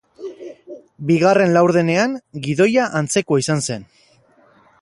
Bigarren laurdenean gidoia antzekoa izan zen.